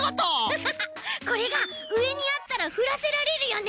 これがうえにあったらふらせられるよね。